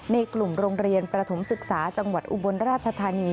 ในกลุ่มโรงเรียนประถมศึกษาจังหวัดอุบลราชธานี